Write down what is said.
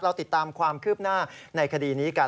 ติดตามความคืบหน้าในคดีนี้กัน